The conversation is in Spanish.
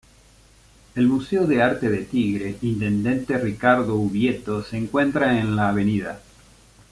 El Museo de Arte de Tigre Intendente Ricardo Ubieto se encuentra en la Av.